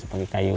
ya pakai kayu